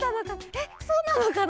えっそうなのかな？